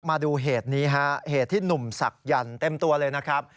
มาดูเหตุนี้ฮะเหตุที่หนุ่มศักดิ์เต็มตัวเลยนะครับ